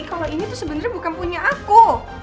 kalo ini tuh sebenernya bukan punya aku